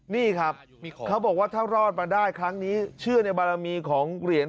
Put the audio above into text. นี่ครับเขาบอกว่าถ้ารอดมาได้ครั้งนี้เชื่อในบารมีของเหรียญ